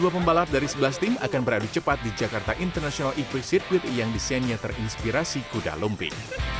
dua puluh dua pembalap dari sebelas tim akan beradu cepat di jakarta international e tiga sirkuit yang desainnya terinspirasi kuda lumpik